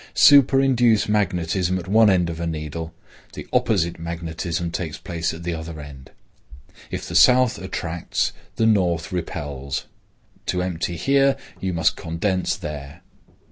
Superinduce magnetism at one end of a needle, the opposite magnetism takes place at the other end. If the south attracts, the north repels. To empty here, you must condense there.